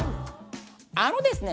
あのですね